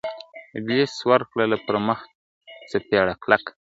ابليس وركړله پر مخ څپېړه كلكه ,